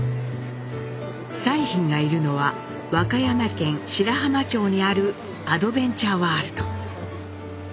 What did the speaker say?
彩浜がいるのは和歌山県白浜町にあるアドベンチャーワールド。